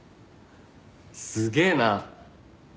すげえな。